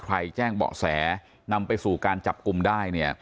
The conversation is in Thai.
แจ้งเบาะแสนำไปสู่การจับกลุ่มได้เนี่ย